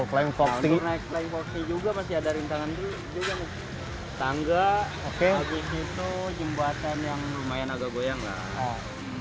tinggi juga pasti ada rintangan juga tangga oke